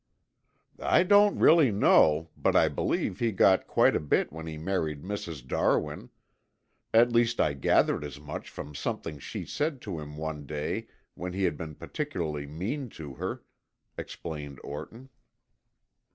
"I don't really know, but I believe he got quite a bit when he married Mrs. Darwin. At least I gathered as much from something she said to him one day when he had been particularly mean to her," explained Orton.